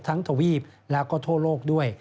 ทั้งโถวีีบและโทโลกด้วย